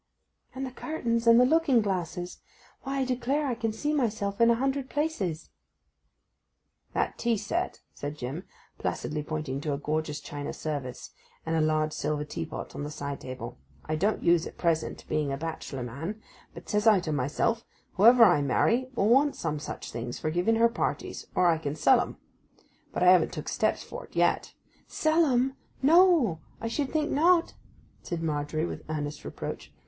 'And the curtains and the looking glasses: why I declare I can see myself in a hundred places.' 'That tea set,' said Jim, placidly pointing to a gorgeous china service and a large silver tea pot on the side table, 'I don't use at present, being a bachelor man; but, says I to myself, "whoever I marry will want some such things for giving her parties; or I can sell em"—but I haven't took steps for't yet—' 'Sell 'em—no, I should think not,' said Margery with earnest reproach.